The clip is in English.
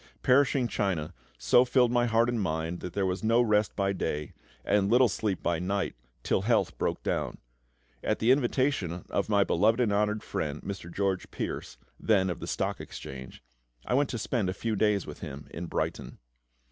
Perishing China so filled my heart and mind that there was no rest by day, and little sleep by night, till health broke down. At the invitation of my beloved and honoured friend, Mr. George Pearse (then of the Stock Exchange), I went to spend a few days with him in Brighton.